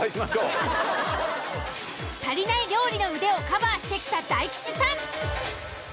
足りない料理の腕をカバーしてきた大吉さん。